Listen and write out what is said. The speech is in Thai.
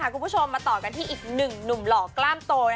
คุณผู้ชมมาต่อกันที่อีกหนึ่งหนุ่มหล่อกล้ามโต